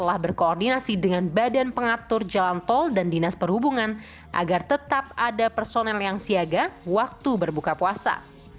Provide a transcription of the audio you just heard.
telah berkoordinasi dengan badan pengatur jalan tol dan dinas perhubungan agar tetap ada personel yang siaga waktu berbuka puasa